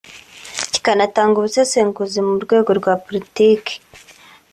kikanatanga ubusesenguzi mu rwego rwa politiki